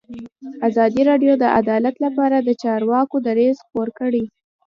ازادي راډیو د عدالت لپاره د چارواکو دریځ خپور کړی.